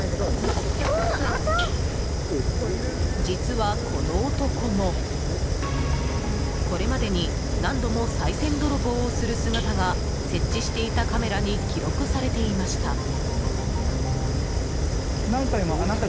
実は、この男もこれまでに何度もさい銭泥棒をする姿が設置していたカメラに記録されていました。